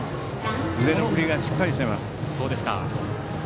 腕の振りがしっかりしています。